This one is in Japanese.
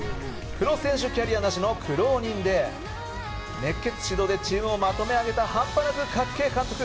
プロ選手キャリアなしの苦労人で熱血指導でチームをまとめ上げた半端なくかっけー監督。